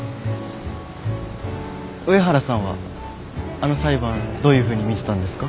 上原さんはあの裁判どういうふうに見てたんですか？